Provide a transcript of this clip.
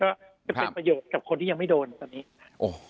ก็จะเป็นประโยชน์กับคนที่ยังไม่โดนตอนนี้